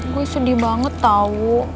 gue sedih banget tau